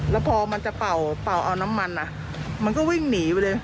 แล้วพอมันจะเป่าเอาน้ำมันมันก็วิ่งหนีไปเลย